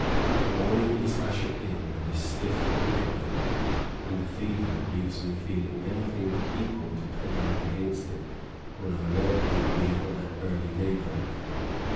The morning is ushered in with a stiff head wind, and the fever leaves me feeling anything but equal to pedalling against it when I mount my wheel at early daybreak.